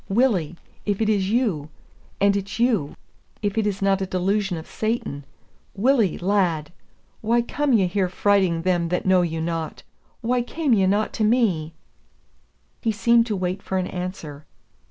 "Willie, if it is you, and it's you, if it is not a delusion of Satan, Willie, lad! why come ye here frighting them that know you not? Why came ye not to me?" He seemed to wait for an answer.